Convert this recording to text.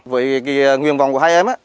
với nguyên vọng của hai em